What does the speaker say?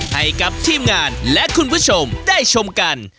ให้กับทีมงานและคุณผู้ชมได้ชมกัน